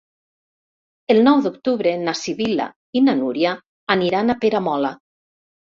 El nou d'octubre na Sibil·la i na Núria aniran a Peramola.